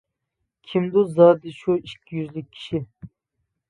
كىمدۇ زادى شۇ ئىككى يۈزلۈك كىشى!